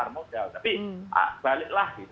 modal tapi baliklah